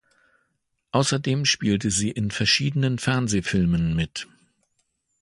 Außerdem spielte sie in verschiedenen Fernsehfilmen mit.